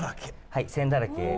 はい線だらけ。